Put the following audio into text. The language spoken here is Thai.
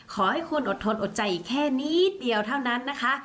ขอให้คุณอดทนอดใจอีกแค่นิดเดียวเท่านั้นนะคะ